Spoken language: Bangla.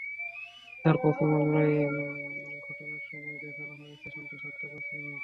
তাঁর প্রশ্ন, মামলায় ঘটনার সময় দেখানো হয়েছে সন্ধ্যা সাতটা পাঁচ মিনিট।